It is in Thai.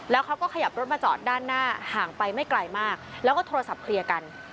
แล้วเขาก็ขยับรถมาจอดด้านหน้าห่างไปไม่ไกลมากแล้วก็โทรศัพท์เคลียร์กัน